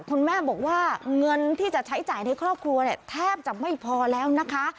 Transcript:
คุณแม่บอกว่าเงินที่จะใช้จ่ายในครอบครัวเนี่ยแทบจะไม่พอแล้วนะคะ